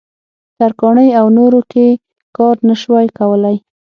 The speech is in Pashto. ترکاڼۍ او نورو کې کار نه شوای کولای.